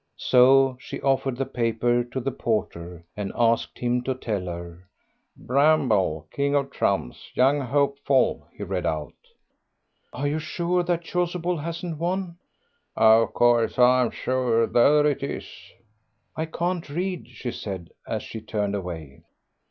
So she offered the paper to the porter and asked him to tell her. "Bramble, King of Trumps, Young Hopeful," he read out. "Are you sure that Chasuble hasn't won?" "Of course I'm sure, there it is." "I can't read," she said as she turned away.